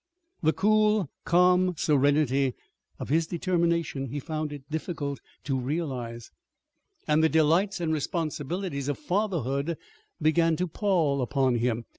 The "cool, calm serenity" of his determination he found it difficult to realize; and the delights and responsibilities of fatherhood began to pall upon him.